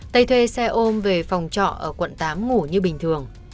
tây thuê xe ôm về phòng trọ ở quận tám ngủ như bình thường